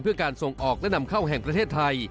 เพื่อการส่งออกและนำเข้าแห่งประเทศไทย